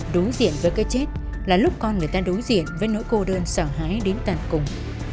đối diện với cái chết là lúc con người ta đối diện với nỗi cô đơn sợ hãi đến tận cùng